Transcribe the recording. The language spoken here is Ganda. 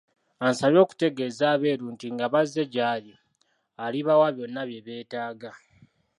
Ansabye okutegeeza Abeeru nti nga bazze gy'ali alibawa byonna bye beetaaga.